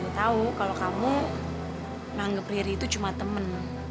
saya tahu kalau kamu menganggap riri itu cuma teman